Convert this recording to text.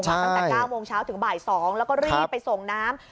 ตั้งแต่๙โมงเช้าถึงบ่าย๒แล้วก็รีบไปส่งน้ำ